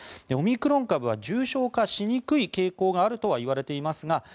オミクロン株は重症化しにくい傾向があるとは言われていますが